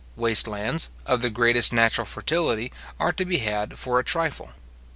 Waste lands, of the greatest natural fertility, are to be had for a trifle.